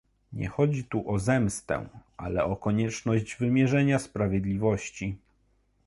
Nie chodzi tu o zemstę, ale o konieczność wymierzenia sprawiedliwości